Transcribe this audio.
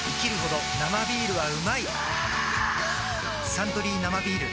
「サントリー生ビール」